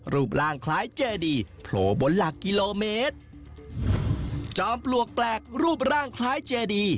รูปร่างคล้ายเจดีโผล่บนหลักกิโลเมตรจอมปลวกแปลกรูปร่างคล้ายเจดี